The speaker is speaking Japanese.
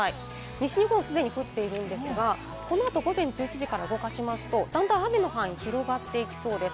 西日本はすでに降っているんですが、このあと午前１１時から動かすと、だんだん雨の範囲、広がっていきそうです。